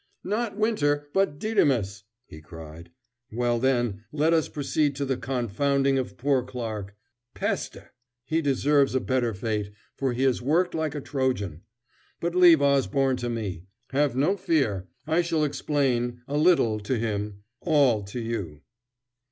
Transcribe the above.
"Not Winter, but Didymus!" he cried. "Well, then, let us proceed to the confounding of poor Clarke. Peste! he deserves a better fate, for he has worked like a Trojan. But leave Osborne to me. Have no fear I shall explain, a little to him, all to you."